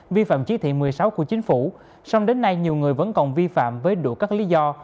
vi phạm trí thị một mươi sáu của chính phủ song đến nay nhiều người vẫn còn vi phạm với đủ các lý do